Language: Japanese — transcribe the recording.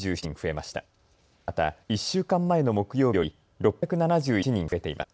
また１週間前の木曜日より６７１人増えています。